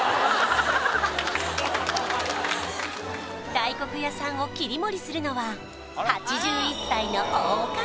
大黒屋さんを切り盛りするのは８１歳の大女将